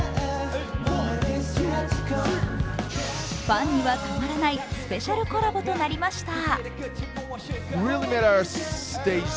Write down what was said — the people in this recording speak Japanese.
ファンにはたまらないスペシャルコラボとなりました。